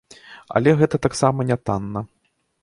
Але гэта таксама нятанна.